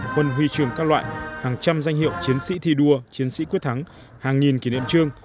hai quân huy trường các loại hàng trăm danh hiệu chiến sĩ thi đua chiến sĩ quyết thắng hàng nghìn kỷ niệm trương